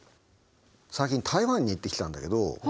最近台湾に行ってきたんだけど。